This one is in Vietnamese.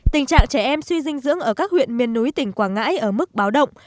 tình trạng trẻ em suy dinh dưỡng ở các huyện miền núi tỉnh quảng ngãi ở mức báo động